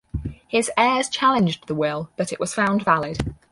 His heirs challenged the will, but it was found valid.